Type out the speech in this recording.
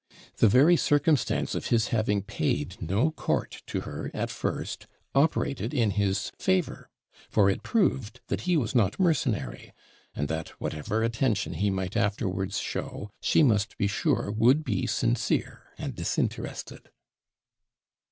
The very circumstance of his having paid no court to her at first, operated in his favour; for it proved that he was not mercenary, and that, whatever attention he might afterwards show, she must be sure would be sincere and disinterested.